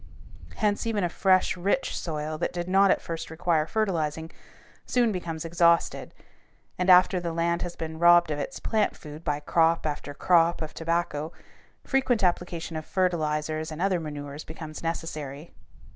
Hence even a fresh, rich soil that did not at first require fertilizing soon becomes exhausted, and, after the land has been robbed of its plant food by crop after crop of tobacco, frequent application of fertilizers and other manures becomes necessary.